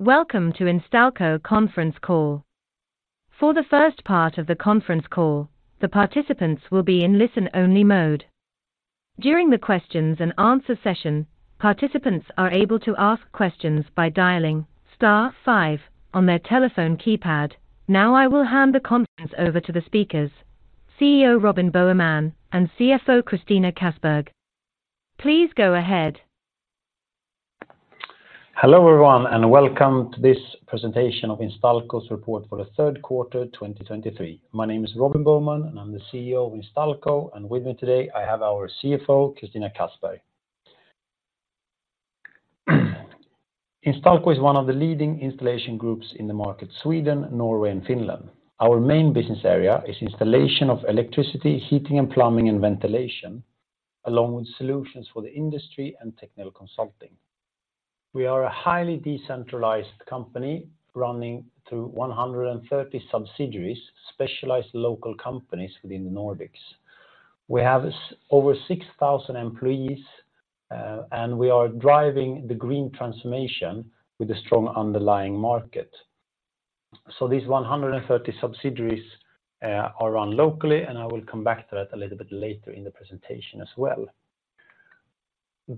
Welcome to Instalco Conference Call. For the first part of the conference call, the participants will be in listen-only mode. During the questions and answer session, participants are able to ask questions by dialing star five on their telephone keypad. Now, I will hand the conference over to the speakers, CEO Robin Boheman and CFO Christina Kassberg. Please go ahead. Hello, everyone, and welcome to this presentation of Instalco's report for the third quarter, 2023. My name is Robin Boheman, and I'm the CEO of Instalco, and with me today, I have our CFO, Christina Kassberg. Instalco is one of the leading installation groups in the market, Sweden, Norway, and Finland. Our main business area is installation of electricity, heating and plumbing, and ventilation, along with solutions for the industry and technical consulting. We are a highly decentralized company, running through 130 subsidiaries, specialized local companies within the Nordics. We have over 6,000 employees, and we are driving the green transformation with a strong underlying market. So these 130 subsidiaries are run locally, and I will come back to that a little bit later in the presentation as well.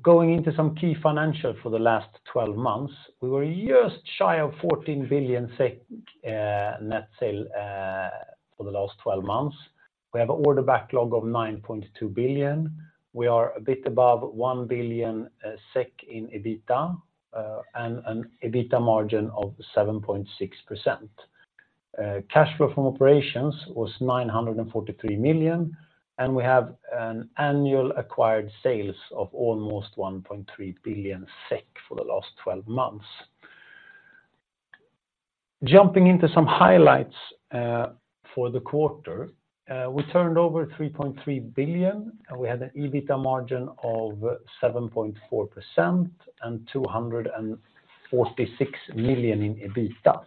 Going into some key financials for the last 12 months, we were just shy of 14 billion SEK in net sales for the last 12 months. We have an order backlog of 9.2 billion. We are a bit above 1 billion SEK in EBITDA, and an EBITDA margin of 7.6%. Cash flow from operations was 943 million, and we have annual acquired sales of almost 1.3 billion SEK for the last 12 months. Jumping into some highlights for the quarter, we turned over 3.3 billion, and we had an EBITDA margin of 7.4% and 246 million in EBITDA.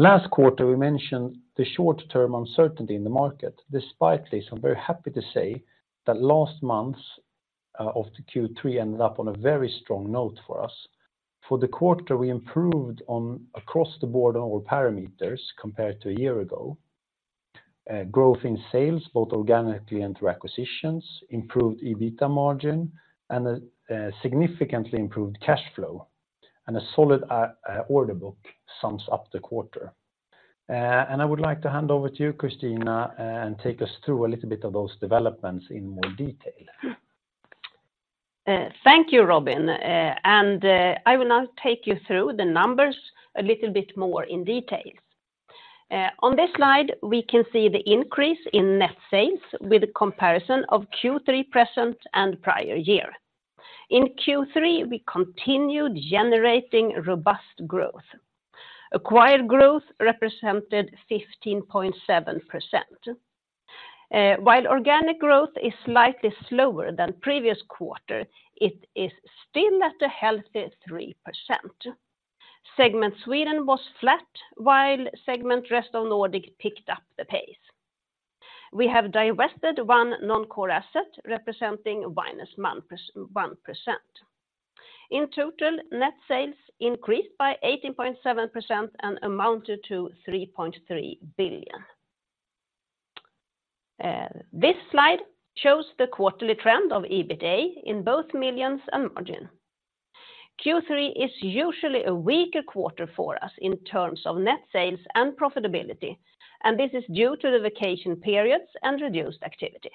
Last quarter, we mentioned the short-term uncertainty in the market. Despite this, I'm very happy to say that last month's of the Q3 ended up on a very strong note for us. For the quarter, we improved across the board on all parameters compared to a year ago. Growth in sales, both organically and through acquisitions, improved EBITDA margin, and significantly improved cash flow, and a solid order book sums up the quarter. And I would like to hand over to you, Christina, and take us through a little bit of those developments in more detail. Thank you, Robin, and I will now take you through the numbers a little bit more in details. On this slide, we can see the increase in net sales with a comparison of Q3 present and prior year. In Q3, we continued generating robust growth. Acquired growth represented 15.7%. While organic growth is slightly slower than previous quarter, it is still at a healthy 3%. Segment Sweden was flat, while segment Rest of Nordic picked up the pace. We have divested one non-core asset, representing -1%. In total, net sales increased by 18.7% and amounted to SEK 3.3 billion. This slide shows the quarterly trend of EBITA in both millions and margin. Q3 is usually a weaker quarter for us in terms of net sales and profitability, and this is due to the vacation periods and reduced activity.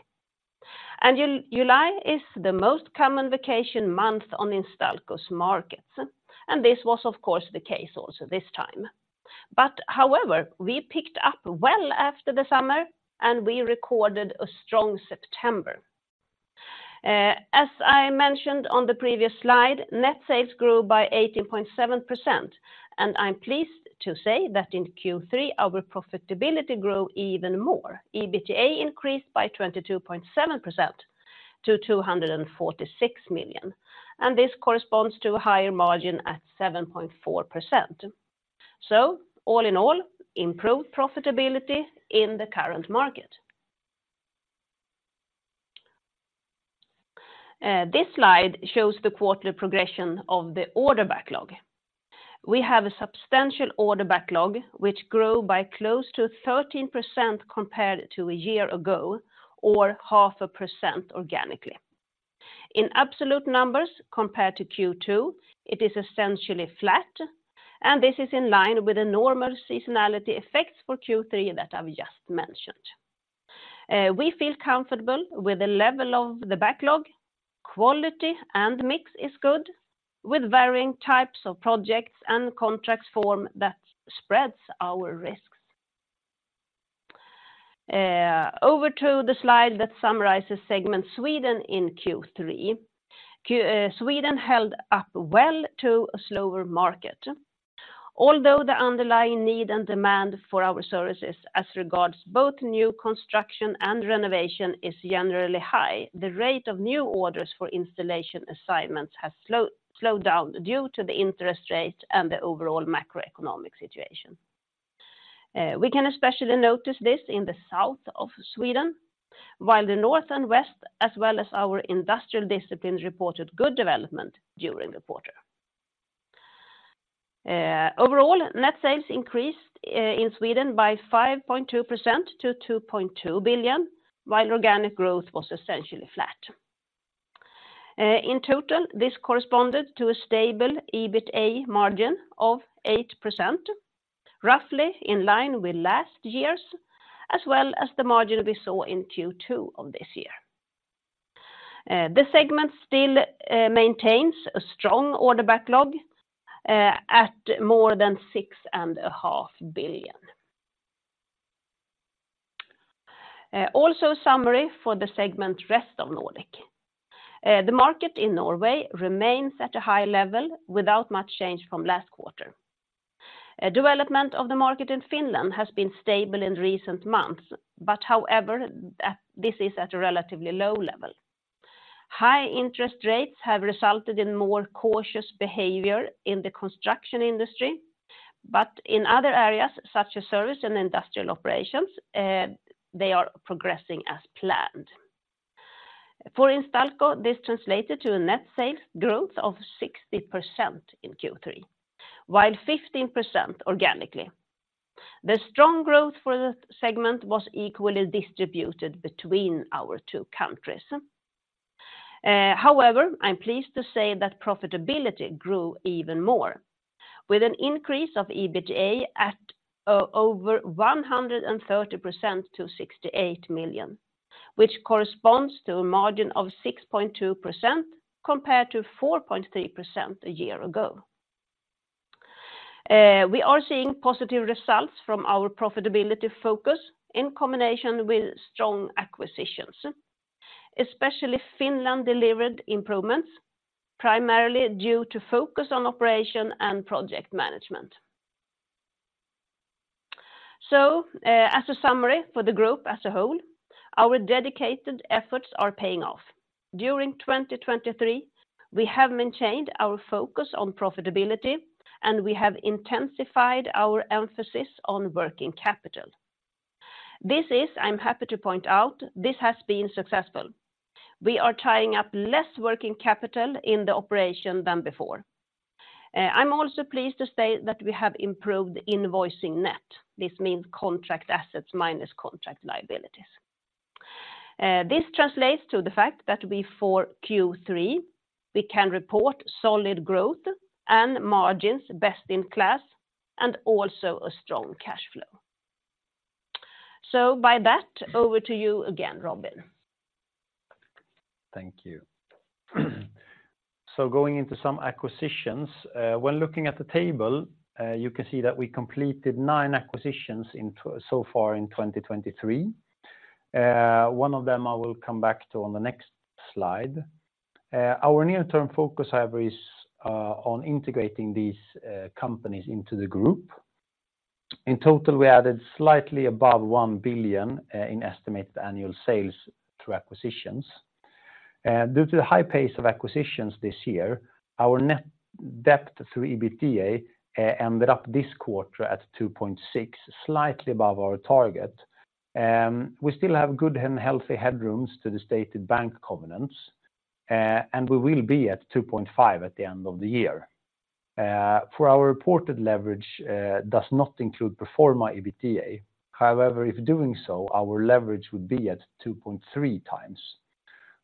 July is the most common vacation month on Instalco's markets, and this was, of course, the case also this time. But however, we picked up well after the summer, and we recorded a strong September. As I mentioned on the previous slide, net sales grew by 18.7%, and I'm pleased to say that in Q3, our profitability grew even more. EBITDA increased by 22.7% to 246 million, and this corresponds to a higher margin at 7.4%. So all in all, improved profitability in the current market. This slide shows the quarterly progression of the order backlog. We have a substantial order backlog, which grow by close to 13% compared to a year ago or 0.5% organically. In absolute numbers compared to Q2, it is essentially flat, and this is in line with the normal seasonality effects for Q3 that I've just mentioned. We feel comfortable with the level of the backlog. Quality and mix is good, with varying types of projects and contracts form that spreads our risks. Over to the slide that summarizes segment Sweden in Q3. Sweden held up well to a slower market. Although the underlying need and demand for our services as regards both new construction and renovation is generally high, the rate of new orders for installation assignments has slowed down due to the interest rates and the overall macroeconomic situation. We can especially notice this in the south of Sweden, while the north and west, as well as our industrial disciplines, reported good development during the quarter. Overall, net sales increased in Sweden by 5.2% to 2.2 billion, while organic growth was essentially flat. In total, this corresponded to a stable EBITA margin of 8%, roughly in line with last year's, as well as the margin we saw in Q2 of this year. The segment still maintains a strong order backlog at more than 6.5 billion. Also summary for the segment rest of Nordic. The market in Norway remains at a high level without much change from last quarter. Development of the market in Finland has been stable in recent months, but however, this is at a relatively low level. High interest rates have resulted in more cautious behavior in the construction industry, but in other areas, such as service and industrial operations, they are progressing as planned. For Instalco, this translated to a net sales growth of 60% in Q3, while 15% organically. The strong growth for the segment was equally distributed between our two countries. However, I'm pleased to say that profitability grew even more, with an increase of EBITDA at over 130% to 68 million, which corresponds to a margin of 6.2% compared to 4.3% a year ago. We are seeing positive results from our profitability focus in combination with strong acquisitions. Especially Finland delivered improvements, primarily due to focus on operation and project management. So, as a summary for the group as a whole, our dedicated efforts are paying off. During 2023, we have maintained our focus on profitability, and we have intensified our emphasis on working capital. This is, I'm happy to point out, this has been successful. We are tying up less working capital in the operation than before. I'm also pleased to say that we have improved invoicing net. This means contract assets minus contract liabilities. This translates to the fact that we, for Q3, we can report solid growth and margins best in class, and also a strong cash flow. So by that, over to you again, Robin. Thank you. Going into some acquisitions, when looking at the table, you can see that we completed nine acquisitions so far in 2023. One of them I will come back to on the next slide. Our near-term focus, however, is on integrating these companies into the group. In total, we added slightly above 1 billion in estimated annual sales through acquisitions. Due to the high pace of acquisitions this year, our net debt through EBITDA ended up this quarter at 2.6, slightly above our target. We still have good and healthy headrooms to the stated bank covenants, and we will be at 2.5 at the end of the year. For our reported leverage does not include pro forma EBITDA. However, if doing so, our leverage would be at 2.3x.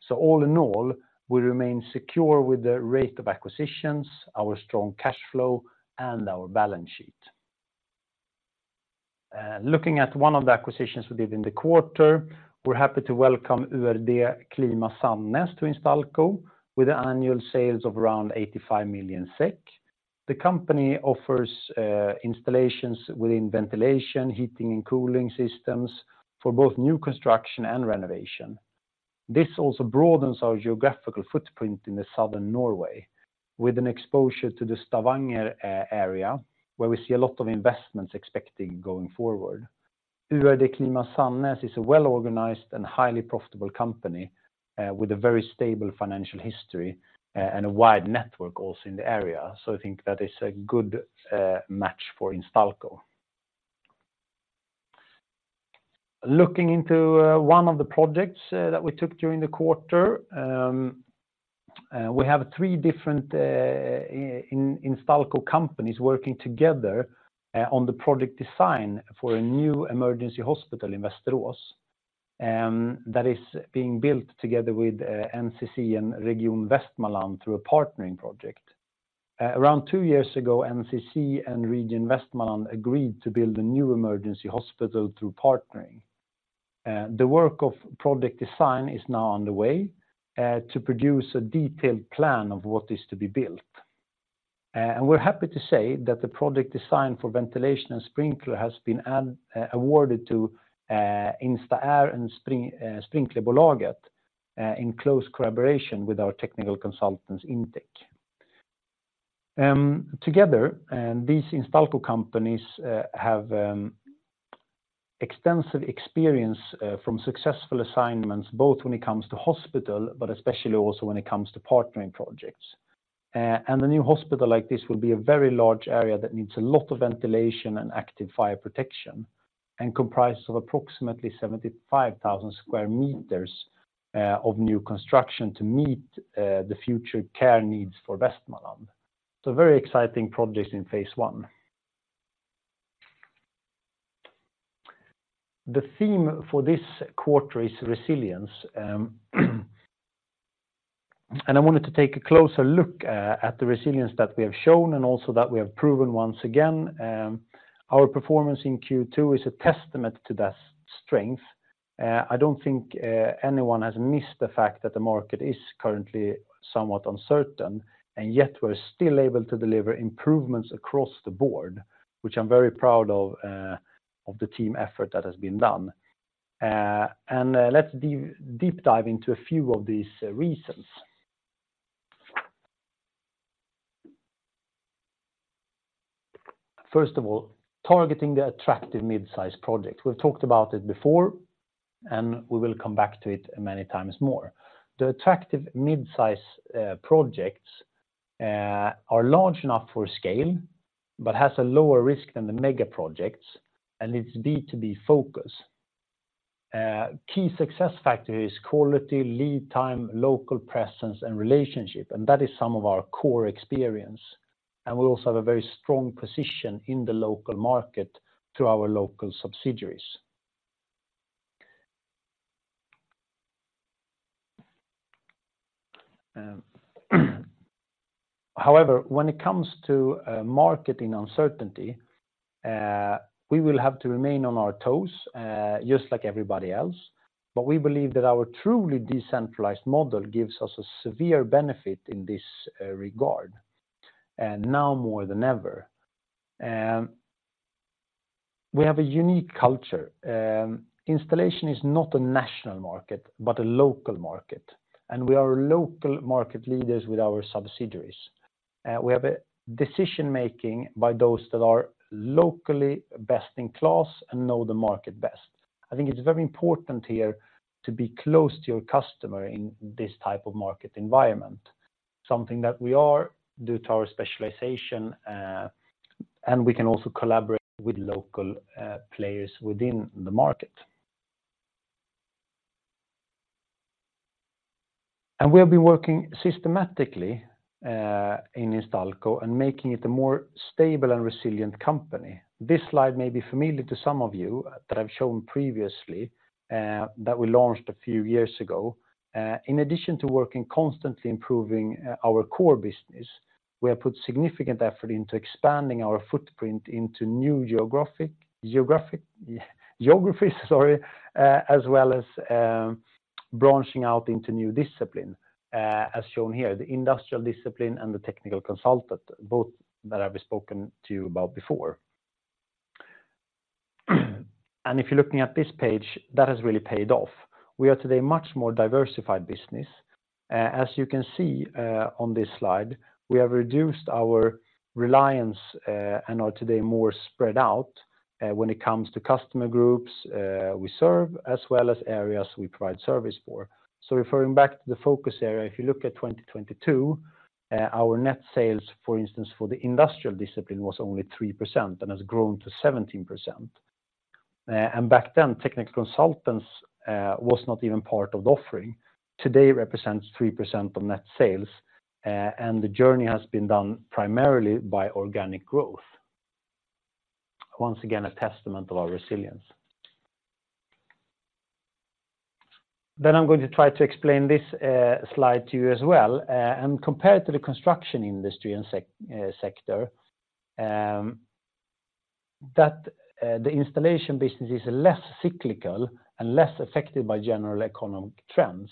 So all in all, we remain secure with the rate of acquisitions, our strong cash flow, and our balance sheet. Looking at one of the acquisitions we did in the quarter, we're happy to welcome Urd Klima Sandnes to Instalco with annual sales of around 85 million SEK. The company offers installations within ventilation, heating, and cooling systems for both new construction and renovation. This also broadens our geographical footprint in southern Norway, with an exposure to the Stavanger area, where we see a lot of investments expecting going forward. Urd Klima Sandnes is a well-organized and highly profitable company with a very stable financial history and a wide network also in the area. So I think that is a good match for Instalco. Looking into one of the projects that we took during the quarter, we have three different Instalco companies working together on the project design for a new emergency hospital in Västerås that is being built together with NCC and Region Västmanland through a partnering project. Around two years ago, NCC and Region Västmanland agreed to build a new emergency hospital through partnering. The work of project design is now underway to produce a detailed plan of what is to be built. And we're happy to say that the project design for ventilation and sprinkler has been awarded to InstaAir and Sprinklerbolaget in close collaboration with our technical consultants, Intec. Together, and these Instalco companies have... extensive experience from successful assignments, both when it comes to hospital, but especially also when it comes to partnering projects. A new hospital like this will be a very large area that needs a lot of ventilation and active fire protection, and comprised of approximately 75,000 m² of new construction to meet the future care needs for Västmanland. Very exciting project in phase I. The theme for this quarter is resilience, and I wanted to take a closer look at the resilience that we have shown and also that we have proven once again. Our performance in Q2 is a testament to that strength. I don't think anyone has missed the fact that the market is currently somewhat uncertain, and yet we're still able to deliver improvements across the board, which I'm very proud of, of the team effort that has been done. And let's deep dive into a few of these reasons. First of all, targeting the attractive mid-size project. We've talked about it before, and we will come back to it many times more. The attractive mid-size projects are large enough for scale, but has a lower risk than the mega projects and it's B2B focus. Key success factor is quality, lead time, local presence, and relationship, and that is some of our core experience, and we also have a very strong position in the local market through our local subsidiaries. However, when it comes to market uncertainty, we will have to remain on our toes, just like everybody else, but we believe that our truly decentralized model gives us a severe benefit in this regard, and now more than ever. We have a unique culture. Installation is not a national market, but a local market, and we are local market leaders with our subsidiaries. We have a decision-making by those that are locally best in class and know the market best. I think it's very important here to be close to your customer in this type of market environment, something that we are due to our specialization, and we can also collaborate with local players within the market. We have been working systematically in Instalco and making it a more stable and resilient company. This slide may be familiar to some of you that I've shown previously, that we launched a few years ago. In addition to working constantly improving our core business, we have put significant effort into expanding our footprint into new geographic geographies, sorry, as well as branching out into new discipline, as shown here, the industrial discipline and the technical consultant, both that I've spoken to you about before. If you're looking at this page, that has really paid off. We are today a much more diversified business. As you can see on this slide, we have reduced our reliance and are today more spread out when it comes to customer groups we serve, as well as areas we provide service for. So referring back to the focus area, if you look at 2022, our net sales, for instance, for the industrial discipline, was only 3% and has grown to 17%. And back then, technical consultants was not even part of the offering. Today, represents 3% of net sales, and the journey has been done primarily by organic growth. Once again, a testament of our resilience. Then I'm going to try to explain this slide to you as well. And compared to the construction industry and sector, that the installation business is less cyclical and less affected by general economic trends.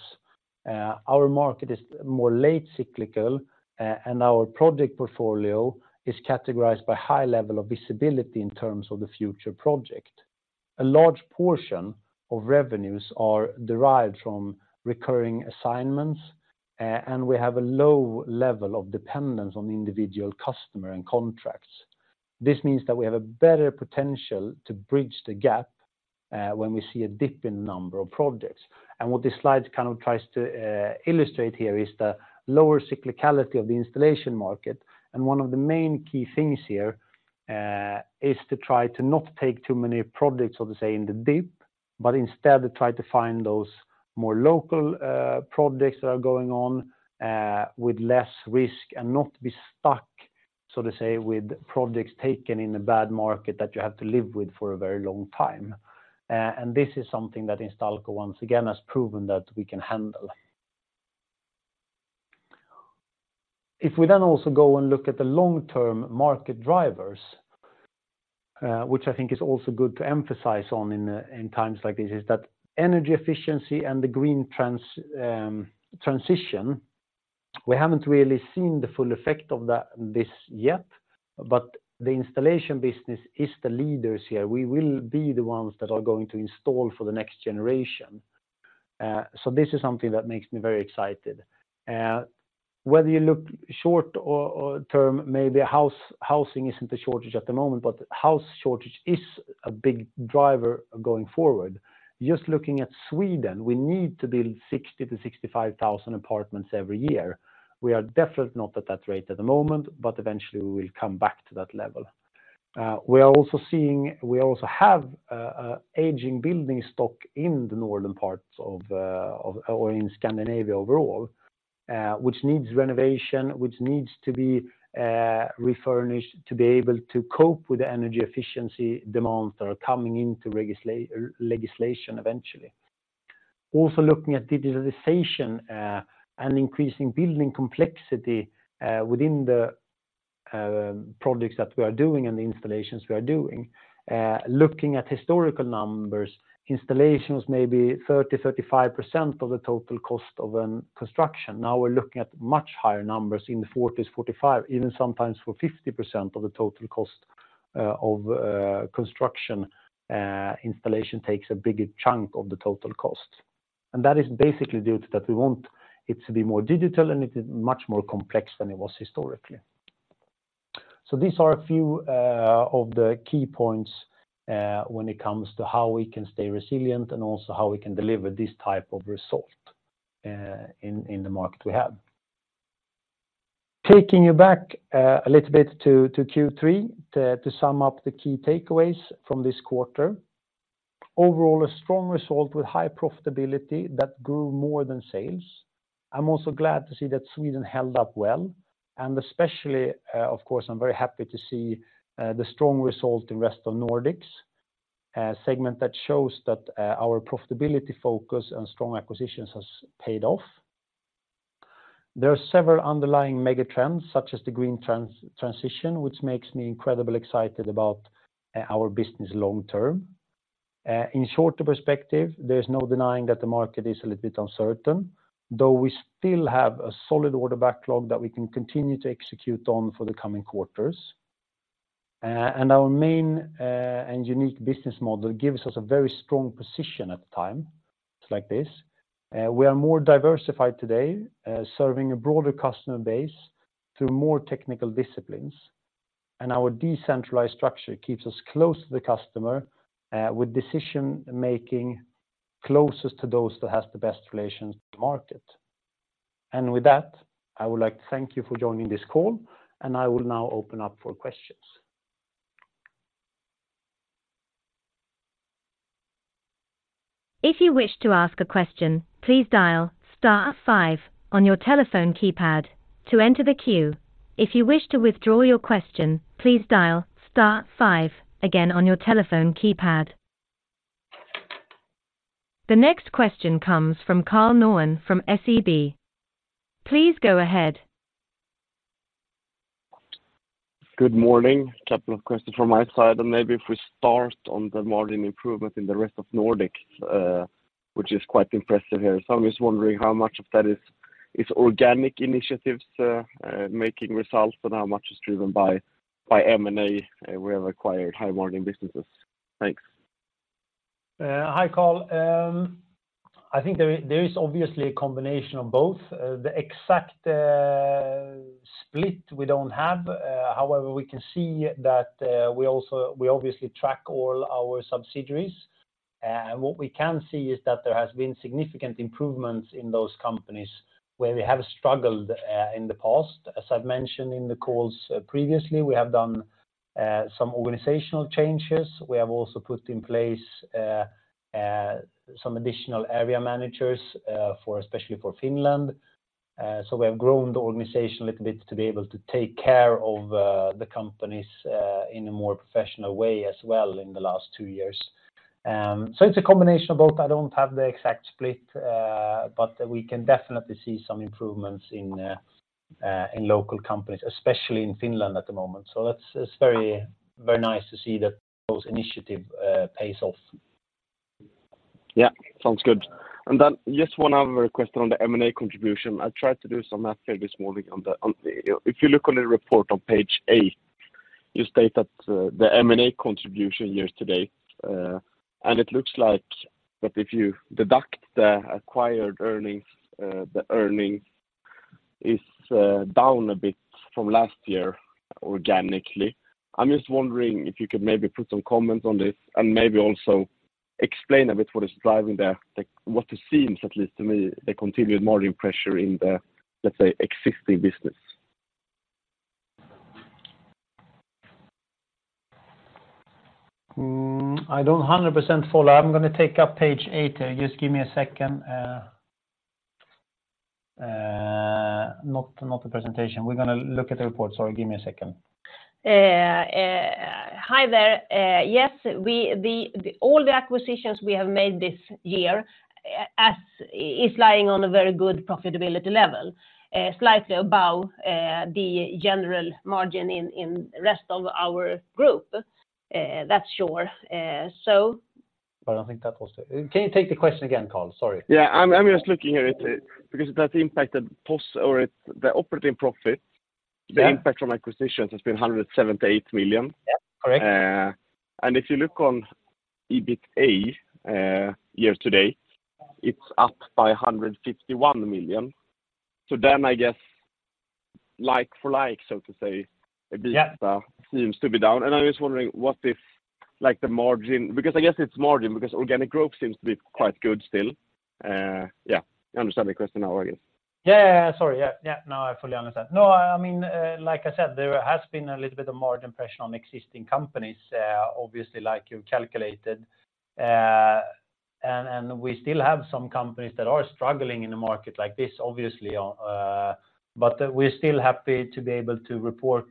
Our market is more late cyclical, and our project portfolio is categorized by high level of visibility in terms of the future project. A large portion of revenues are derived from recurring assignments, and we have a low level of dependence on individual customer and contracts. This means that we have a better potential to bridge the gap, when we see a dip in number of projects. What this slide kind of tries to illustrate here is the lower cyclicality of the installation market. One of the main key things here is to try to not take too many projects, so to say, in the dip, but instead, to try to find those more local projects that are going on with less risk and not be stuck, so to say, with projects taken in a bad market that you have to live with for a very long time. This is something that Instalco, once again, has proven that we can handle. If we then also go and look at the long-term market drivers, which I think is also good to emphasize on in times like this, is that energy efficiency and the green transition, we haven't really seen the full effect of that yet, but the installation business is the leaders here. We will be the ones that are going to install for the next generation. So this is something that makes me very excited. Whether you look short or term, maybe housing isn't a shortage at the moment, but house shortage is a big driver going forward. Just looking at Sweden, we need to build 60,000-65,000 apartments every year. We are definitely not at that rate at the moment, but eventually we will come back to that level. We are also seeing—we also have aging building stock in the northern parts of, or in Scandinavia overall, which needs renovation, which needs to be refurnished to be able to cope with the energy efficiency demands that are coming into legislation eventually. Also looking at digitalization and increasing building complexity within the projects that we are doing and the installations we are doing. Looking at historical numbers, installations may be 30%, 35% of the total cost of a construction. Now, we're looking at much higher numbers in the 40%, 45%, even sometimes 50% of the total cost of construction. Installation takes a bigger chunk of the total cost. That is basically due to that we want it to be more digital, and it is much more complex than it was historically. These are a few of the key points when it comes to how we can stay resilient and also how we can deliver this type of result in the market we have. Taking you back a little bit to Q3 to sum up the key takeaways from this quarter. Overall, a strong result with high profitability that grew more than sales. I'm also glad to see that Sweden held up well, and especially, of course, I'm very happy to see the strong result in rest of Nordics, a segment that shows that our profitability focus and strong acquisitions has paid off. There are several underlying megatrends, such as the green transition, which makes me incredibly excited about our business long term. In shorter perspective, there's no denying that the market is a little bit uncertain, though we still have a solid order backlog that we can continue to execute on for the coming quarters. And our main and unique business model gives us a very strong position at the time, it's like this. We are more diversified today, serving a broader customer base through more technical disciplines, and our decentralized structure keeps us close to the customer, with decision making closest to those that has the best relations to the market. And with that, I would like to thank you for joining this call, and I will now open up for questions. If you wish to ask a question, please dial star five on your telephone keypad to enter the queue. If you wish to withdraw your question, please dial star five again on your telephone keypad. The next question comes from Karl Norén from SEB. Please go ahead. Good morning. A couple of questions from my side, and maybe if we start on the margin improvement in the rest of Nordics, which is quite impressive here. So I'm just wondering how much of that is organic initiatives making results, but how much is driven by M&A, we have acquired high margin businesses? Thanks. Hi, Karl. I think there is obviously a combination of both. The exact split, we don't have. However, we can see that we obviously track all our subsidiaries. And what we can see is that there has been significant improvements in those companies where we have struggled in the past. As I've mentioned in the calls previously, we have done some organizational changes. We have also put in place some additional area managers, especially for Finland. So we have grown the organization a little bit to be able to take care of the companies in a more professional way as well in the last two years. So it's a combination of both. I don't have the exact split, but we can definitely see some improvements in local companies, especially in Finland at the moment. So that's, it's very, very nice to see that those initiative pays off. Yeah, sounds good. Then just one other request on the M&A contribution. I tried to do some math here this morning on the... If you look on the report on page eight, you state that the M&A contribution year to date, and it looks like that if you deduct the acquired earnings, the earnings is down a bit from last year, organically. I'm just wondering if you could maybe put some comments on this and maybe also explain a bit what is driving the what it seems, at least to me, the continued margin pressure in the, let's say, existing business. I don't 100% follow. I'm gonna take up page eight. Just give me a second. Not the presentation. We're gonna look at the report. Sorry, give me a second. Hi there. Yes, we, the, all the acquisitions we have made this year, as is lying on a very good profitability level, slightly above, the general margin in, in rest of our group. That's sure. So- But I think that was it. Can you take the question again, Karl? Sorry. Yeah, I'm just looking here at it because it has impacted POC or the operating profit. The impact from acquisitions has been 178 million? Yeah, correct. If you look on EBITA year to date, it's up by 151 million. So then I guess, like for like, so to say, EBITA- Yeah. Seems to be down. I was wondering, what if, like, the margin. Because I guess it's margin, because organic growth seems to be quite good still. Yeah, you understand the question now, I guess. Yeah, sorry. Yeah, yeah. No, I fully understand. No, I mean, like I said, there has been a little bit of margin pressure on existing companies, obviously, like you calculated. And we still have some companies that are struggling in a market like this, obviously, but we're still happy to be able to report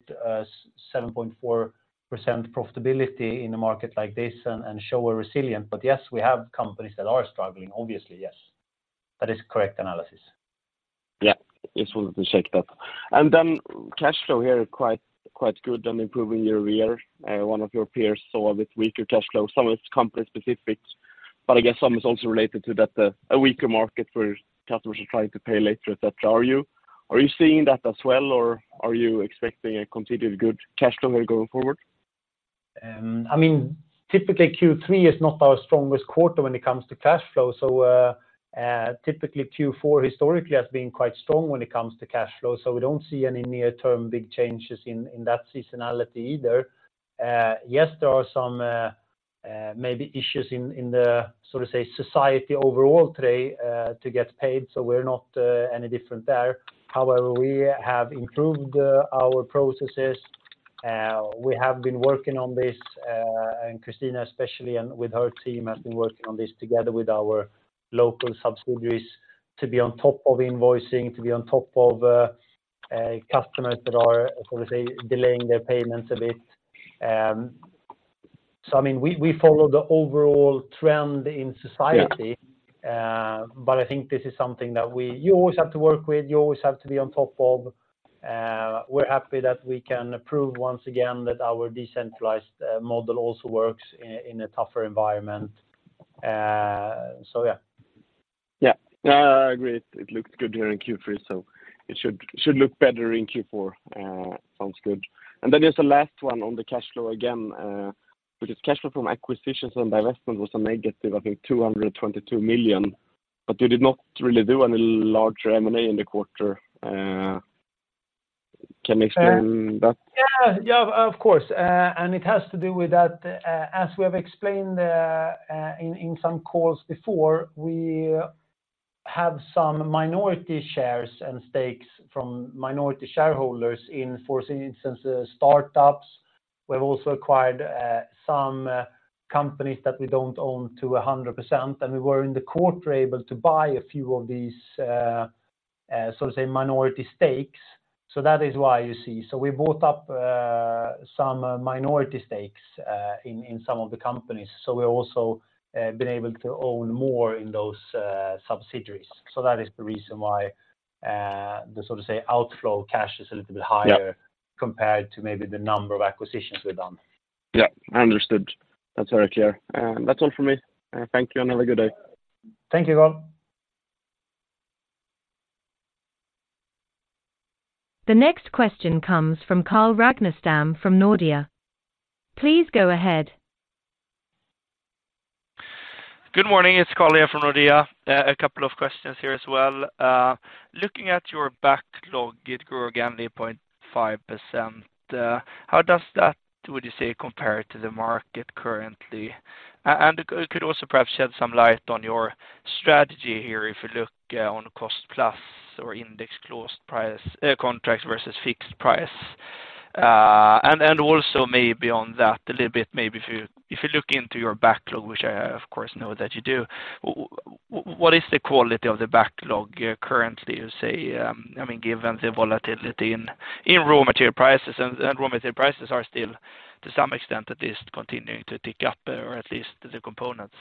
7.4% profitability in a market like this and show we're resilient. But yes, we have companies that are struggling, obviously, yes. That is correct analysis. Yeah. Just wanted to check that. And then cash flow here is quite, quite good on improving year over year. One of your peers saw a bit weaker cash flow, some of it's company specific, but I guess some is also related to that, a weaker market for customers are trying to pay later, et cetera. Are you, are you seeing that as well, or are you expecting a continued good cash flow going forward? I mean, typically, Q3 is not our strongest quarter when it comes to cash flow. So, typically Q4 historically has been quite strong when it comes to cash flow, so we don't see any near-term big changes in that seasonality either. Yes, there are some maybe issues in the, so to say, society overall today to get paid, so we're not any different there. However, we have improved our processes. We have been working on this, and Christina, especially, and with her team, have been working on this together with our local subsidiaries to be on top of invoicing, to be on top of customers that are, so to say, delaying their payments a bit. So, I mean, we follow the overall trend in society- Yeah. But I think this is something that we always have to work with, you always have to be on top of. We're happy that we can approve once again that our decentralized model also works in a tougher environment. So yeah. Yeah. I agree. It looked good here in Q3, so it should, it should look better in Q4. Sounds good. And then there's a last one on the cash flow again, which is cash flow from acquisitions and divestment was a negative, I think, 222 million, but you did not really do any larger M&A in the quarter. Can you explain that? Yeah, yeah, of course. And it has to do with that, as we have explained in some calls before, we have some minority shares and stakes from minority shareholders in, for instance, startups. We've also acquired some companies that we don't own to 100%, and we were in the quarter able to buy a few of these so to say minority stakes. So that is why you see. So we bought up some minority stakes in some of the companies, so we're also been able to own more in those subsidiaries. So that is the reason why the so to say outflow cash is a little bit higher- Yeah... compared to maybe the number of acquisitions we've done. Yeah, understood. That's very clear. That's all for me. Thank you, and have a good day. Thank you, Karl. The next question comes from Carl Ragnerstam from Nordea. Please go ahead. Good morning. It's Carl here from Nordea. A couple of questions here as well. Looking at your backlog, it grew again, 8.5%. How does that, would you say, compare to the market currently? And could also perhaps shed some light on your strategy here if you look on cost plus or index clause price contracts versus fixed price. And also maybe on that a little bit, maybe if you look into your backlog, which I, of course, know that you do, what is the quality of the backlog currently, you say? I mean, given the volatility in raw material prices, and raw material prices are still, to some extent, at least continuing to tick up, or at least the components.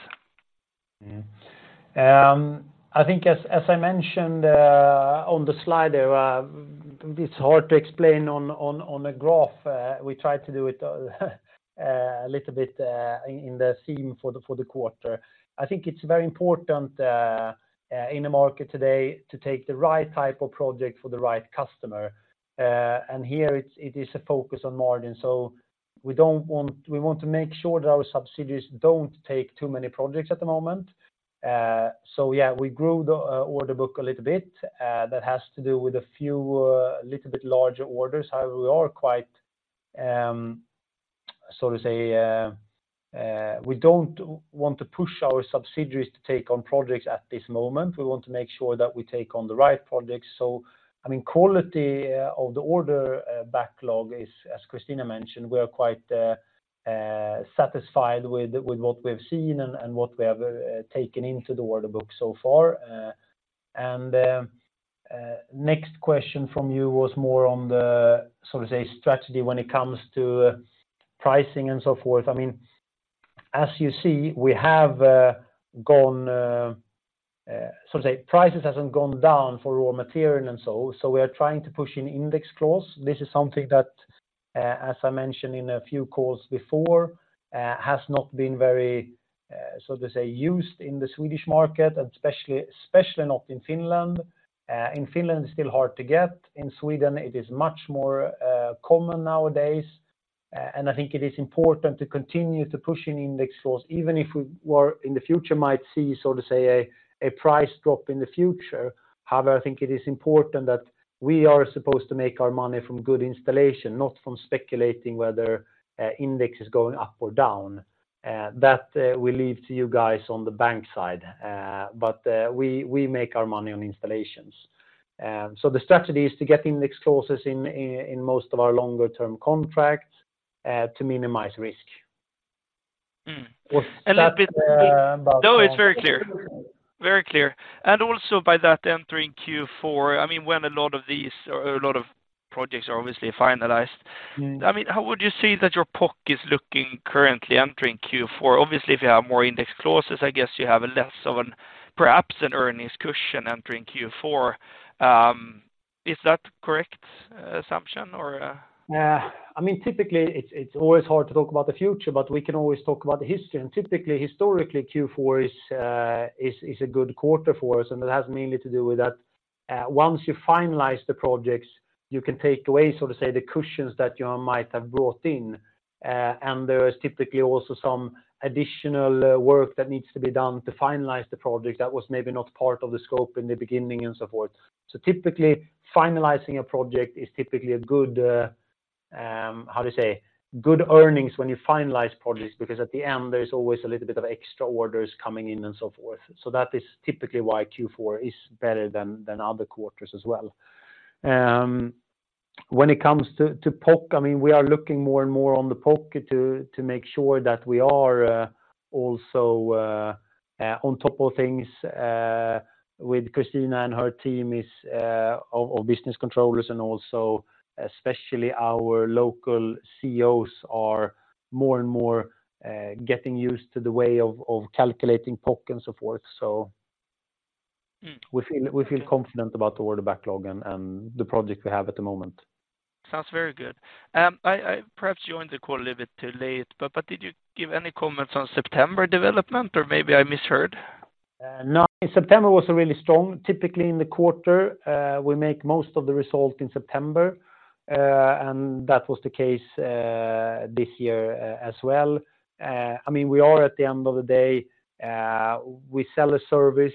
Yeah. I think as I mentioned on the slide there, it's hard to explain on a graph. We tried to do it a little bit in the theme for the quarter. I think it's very important in the market today to take the right type of project for the right customer. And here it is a focus on margin. So we don't want-- We want to make sure that our subsidiaries don't take too many projects at the moment. So yeah, we grew the order book a little bit. That has to do with a few little bit larger orders. However, we are quite so to say we don't want to push our subsidiaries to take on projects at this moment. We want to make sure that we take on the right projects. So I mean, quality of the order backlog is, as Christina mentioned, we are quite satisfied with what we've seen and what we have taken into the order book so far. And next question from you was more on the, so to say, strategy when it comes to pricing and so forth. I mean, as you see, we have gone, so to say, prices hasn't gone down for raw material and so, so we are trying to push in index clause. This is something that as I mentioned in a few calls before has not been very, so to say, used in the Swedish market, and especially not in Finland. In Finland, it's still hard to get. In Sweden, it is much more common nowadays, and I think it is important to continue to push in index floors, even if we in the future might see, so to say, a price drop in the future. However, I think it is important that we are supposed to make our money from good installation, not from speculating whether index is going up or down, that we leave to you guys on the bank side, but we make our money on installations. The strategy is to get index clauses in most of our longer term contracts to minimize risk. Mm-hmm. Was that- A little bit. Uh, but- No, it's very clear. Very clear. And also by that, entering Q4, I mean, when a lot of these or a lot of projects are obviously finalized- Mm. I mean, how would you say that your POC is looking currently entering Q4? Obviously, if you have more index clauses, I guess you have less of an, perhaps, an earnings cushion entering Q4. Is that correct, assumption or? I mean, typically, it's always hard to talk about the future, but we can always talk about the history. Typically, historically, Q4 is a good quarter for us, and it has mainly to do with that. Once you finalize the projects, you can take away, so to say, the cushions that you might have brought in. And there is typically also some additional work that needs to be done to finalize the project that was maybe not part of the scope in the beginning and so forth. So typically, finalizing a project is typically a good earnings when you finalize projects, because at the end, there is always a little bit of extra orders coming in and so forth. So that is typically why Q4 is better than other quarters as well. When it comes to POC, I mean, we are looking more and more on the POC to make sure that we are also on top of things with Christina and her team is of business controllers, and also especially our local CEOs are more and more getting used to the way of calculating POC and so forth. So- Mm... we feel confident about the order backlog and the project we have at the moment. Sounds very good. I perhaps joined the call a little bit too late, but did you give any comments on September development, or maybe I misheard? No. September was a really strong. Typically in the quarter, we make most of the result in September, and that was the case this year as well. I mean, we are, at the end of the day, we sell a service,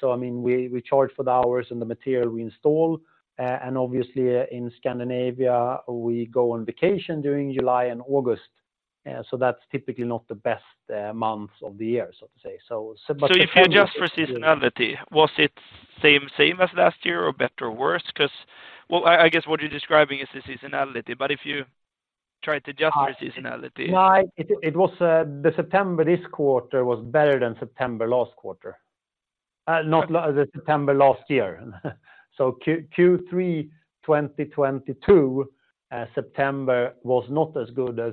so, I mean, we charge for the hours and the material we install, and obviously, in Scandinavia, we go on vacation during July and August, so that's typically not the best month of the year, so to say. So, but- So if you adjust for seasonality, was it same, same as last year, or better or worse? Because... Well, I, I guess what you're describing is the seasonality, but if you try to adjust for seasonality. No, it was the September this quarter was better than September last quarter. Not the September last year. So Q3, 2022, September was not as good as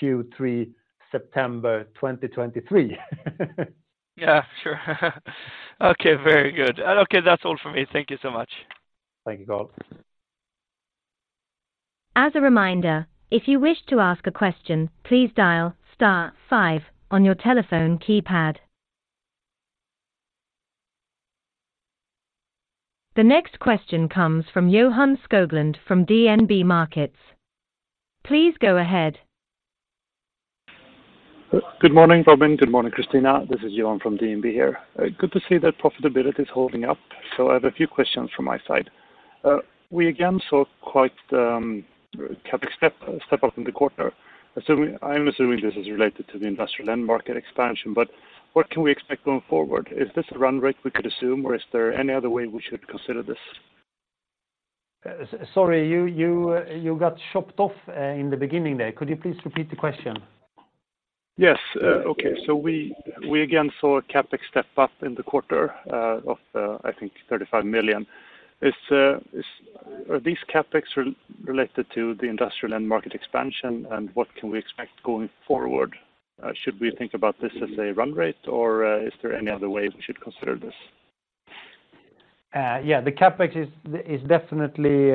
Q3, September 2023. Yeah, sure. Okay, very good. Okay, that's all for me. Thank you so much. Thank you, Carl. As a reminder, if you wish to ask a question, please dial star five on your telephone keypad. The next question comes from Johan Skoglund, from DNB Markets. Please go ahead. Good morning, Robin. Good morning, Christina. This is Johan from DNB here. Good to see that profitability is holding up. So I have a few questions from my side. We again saw quite CapEx step up in the quarter. Assuming, I'm assuming this is related to the industrial end market expansion, but what can we expect going forward? Is this a run rate we could assume, or is there any other way we should consider this? Sorry, you got chopped off in the beginning there. Could you please repeat the question? Yes, okay. So we again saw a CapEx step up in the quarter of, I think, 35 million. Are these CapEx related to the industrial end market expansion, and what can we expect going forward? Should we think about this as a run rate, or is there any other way we should consider this? Yeah, the CapEx is definitely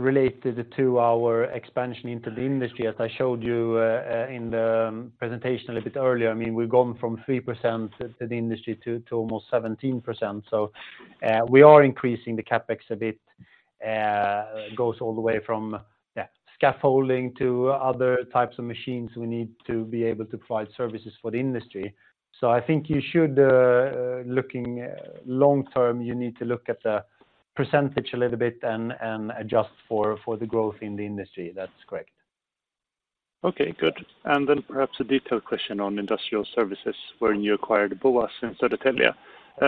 related to our expansion into the industry, as I showed you in the presentation a little bit earlier. I mean, we've gone from 3% in the industry to almost 17%, so we are increasing the CapEx a bit, goes all the way from, yeah, scaffolding to other types of machines we need to be able to provide services for the industry. So I think you should looking long term, you need to look at the percentage a little bit and adjust for the growth in the industry. That's correct. Okay, good. Then perhaps a detailed question on industrial services, when you acquired Boas in Södertälje.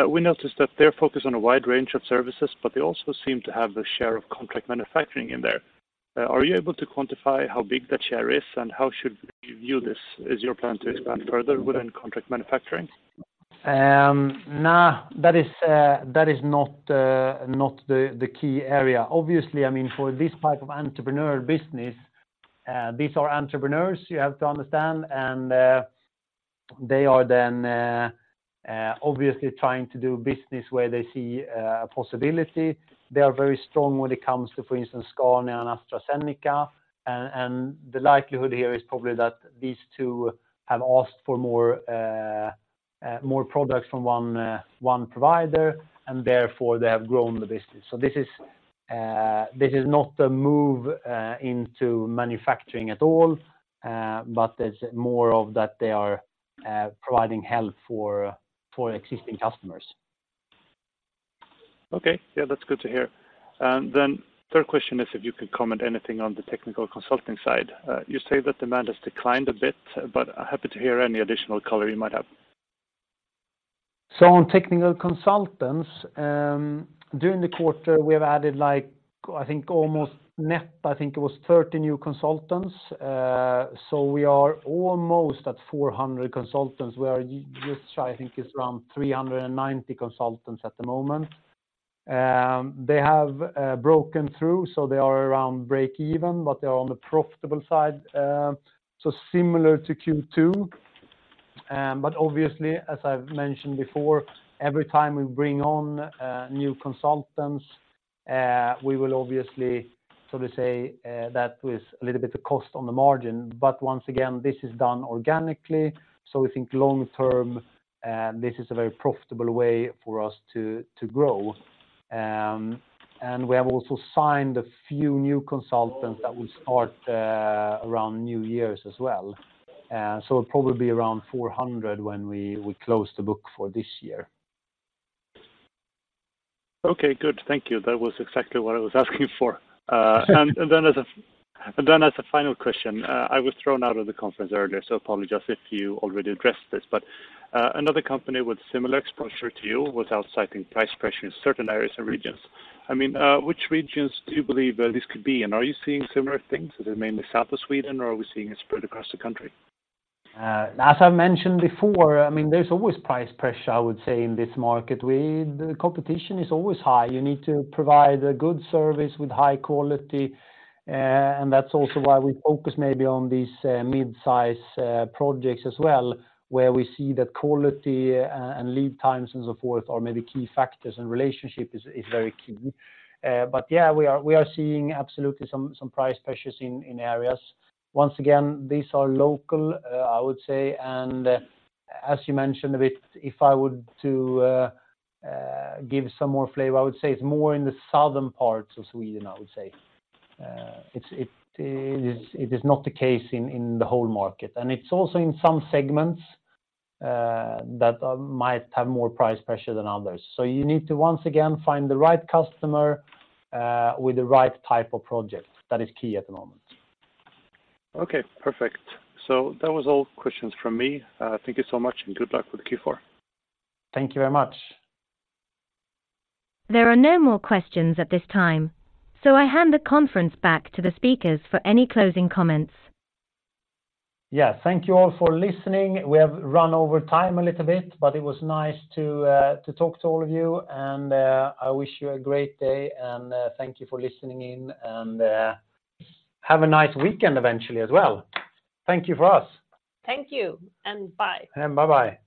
We noticed that they're focused on a wide range of services, but they also seem to have a share of contract manufacturing in there. Are you able to quantify how big that share is, and how should we view this? Is your plan to expand further within contract manufacturing? Nah, that is not the key area. Obviously, I mean, for this type of entrepreneurial business, these are entrepreneurs you have to understand, and they are then obviously trying to do business where they see a possibility. They are very strong when it comes to, for instance, Scania and AstraZeneca. And the likelihood here is probably that these two have asked for more, more products from one, one provider, and therefore they have grown the business. So this is not a move into manufacturing at all, but it's more of that they are providing help for existing customers. Okay. Yeah, that's good to hear. And then third question is if you could comment anything on the technical consulting side. You say that demand has declined a bit, but I'm happy to hear any additional color you might have. So on technical consultants, during the quarter, we have added, like, I think almost net, I think it was 30 new consultants. So we are almost at 400 consultants, where I think it's around 390 consultants at the moment. They have broken through, so they are around break even, but they are on the profitable side, so similar to Q2. But obviously, as I've mentioned before, every time we bring on new consultants, we will obviously sort of say that with a little bit of cost on the margin. But once again, this is done organically, so we think long term this is a very profitable way for us to grow. And we have also signed a few new consultants that will start around New Year's as well. So probably around 400 when we close the book for this year. Okay, good. Thank you. That was exactly what I was asking for. And then as a final question, I was thrown out of the conference earlier, so apologize if you already addressed this, but another company with similar exposure to you was out citing price pressure in certain areas and regions. I mean, which regions do you believe this could be? And are you seeing similar things? Is it mainly south of Sweden, or are we seeing it spread across the country? As I mentioned before, I mean, there's always price pressure, I would say, in this market. The competition is always high. You need to provide a good service with high quality, and that's also why we focus maybe on these mid-size projects as well, where we see that quality and lead times and so forth are maybe key factors, and relationship is very key. But yeah, we are seeing absolutely some price pressures in areas. Once again, these are local, I would say, and as you mentioned, if I were to give some more flavor, I would say it's more in the southern parts of Sweden, I would say. It is not the case in the whole market, and it's also in some segments that might have more price pressure than others. So you need to once again find the right customer with the right type of project. That is key at the moment. Okay, perfect. So that was all questions from me. Thank you so much, and good luck with Q4. Thank you very much. There are no more questions at this time, so I hand the conference back to the speakers for any closing comments. Yeah, thank you all for listening. We have run over time a little bit, but it was nice to talk to all of you, and I wish you a great day, and thank you for listening in, and have a nice weekend eventually as well. Thank you for us. Thank you, and bye. And bye-bye.